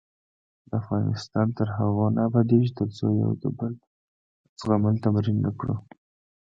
افغانستان تر هغو نه ابادیږي، ترڅو د یو بل زغمل تمرین نکړو.